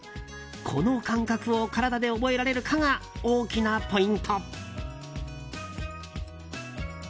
この感覚を体で覚えられるかが大きなポイント。